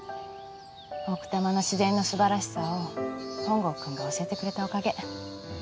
奥多摩の自然のすばらしさを本郷くんが教えてくれたおかげ。